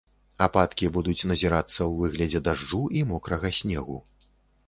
Ападкі будуць назірацца ў выглядзе дажджу і мокрага снегу.